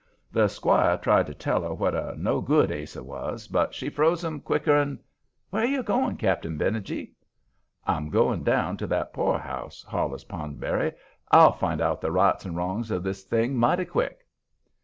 The squire tried to tell her what a no good Ase was, but she froze him quicker'n Where you going, Cap'n Benije?" "I'm going down to that poorhouse," hollers Poundberry. "I'll find out the rights and wrongs of this thing mighty quick."